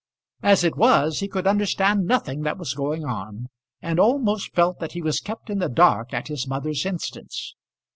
As it was he could understand nothing that was going on, and almost felt that he was kept in the dark at his mother's instance.